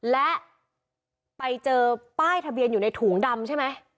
และไปเจอป้ายทะเบียนอยู่ในถุงดำใช่ไหม